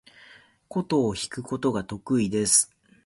箏を弾くことが得意です。